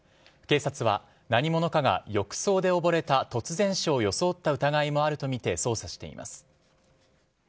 警察は何者かが浴槽でおぼれた突然死を装った疑いもあるとみて捜査しています。